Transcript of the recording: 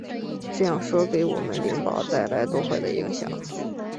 这样说给我们灵宝带来多坏的影响！